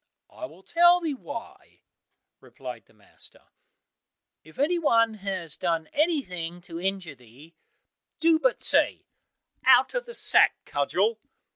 "I will tell thee why," replied the master; "if any one has done anything to injure thee, do but say, 'Out of the sack, Cudgel!